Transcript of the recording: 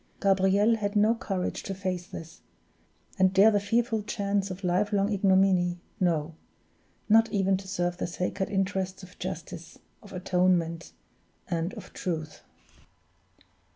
Gabriel had not courage to face this, and dare the fearful chance of life long ignominy no, not even to serve the sacred interests of justice, of atonement, and of truth.